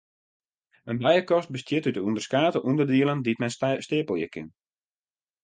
In bijekast bestiet út ûnderskate ûnderdielen dy't men steapelje kin.